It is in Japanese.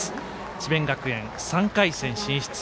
智弁学園、３回戦進出。